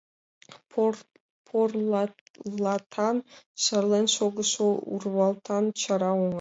Порлатан, шарлен шогышо урвалтан, чара оҥан.